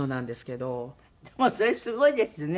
でもそれすごいですね